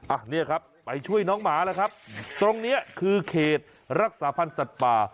อ่ะเนี่ยครับไปช่วยน้องหมาแล้วครับตรงเนี้ยคือเขตรักษาพันธ์สัตว์ป่า